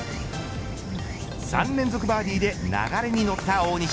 ３連続バーディーで流れに乗った大西。